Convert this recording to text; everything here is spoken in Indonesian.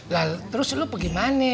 lalu terus lo gimana